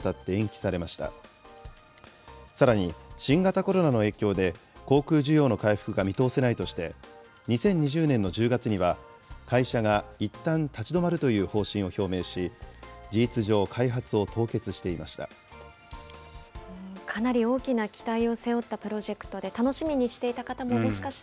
さらに新型コロナの影響で、航空需要の回復が見通せないとして、２０２０年の１０月には、会社がいったん立ち止まるという方針を表明し、事実上、開発を凍結していました。